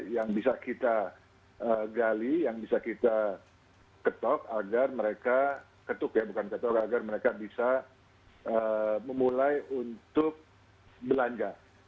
yang bisa kita gali yang bisa kita ketok agar mereka ketuk ya bukan ketok agar mereka bisa memulai untuk belanja